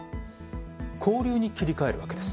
交流に切り替えるわけです。